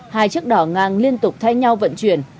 hai chiếc đỏ ngang liên tục thay nhau vận chuyển